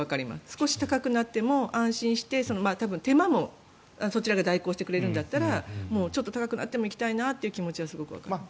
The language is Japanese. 少し高くなっても安心して手間もそちらが代行してくれるんだったらもうちょっと高くなっても行きたいという気持ちはあります。